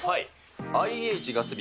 ＩＨ・ガス火